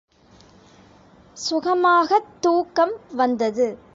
சுகமாகத் தூக்கம் வந்தது.